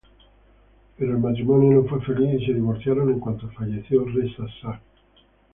Pero el matrimonio no fue feliz y se divorciaron en cuanto falleció Reza Shah.